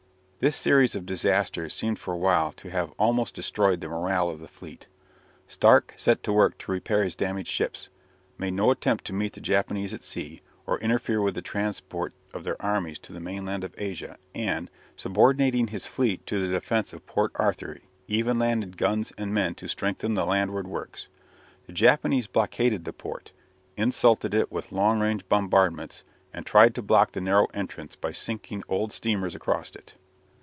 This series of disasters seemed for a while to have almost destroyed the morale of the fleet. Stark set to work to repair his damaged ships, made no attempt to meet the Japanese at sea, or interfere with the transport of their armies to the mainland of Asia, and, subordinating his fleet to the defence of Port Arthur, even landed guns and men to strengthen the landward works. The Japanese blockaded the port, insulted it with long range bombardments, and tried to block the narrow entrance by sinking old steamers across it.